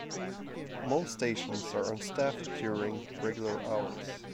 Most stations are unstaffed during regular hours.